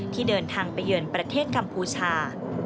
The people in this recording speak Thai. ที่เดินทางไปเยือนประเทศกัมพูชา